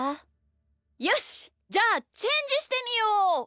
よしじゃあチェンジしてみよう！